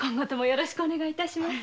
よろしくお願いします。